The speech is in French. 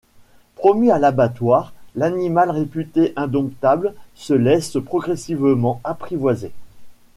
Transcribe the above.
Promis à l'abattoir, l'animal réputé indomptable se laisse progressivement apprivoiser.